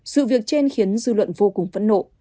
sự việc trên khiến dư luận vô cùng phẫn nộ